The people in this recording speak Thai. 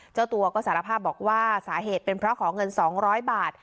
เจ้าตัวก็สารภาพบอกว่าสาเหตุเป็นเพราะขอเงิน๒๐๐บาท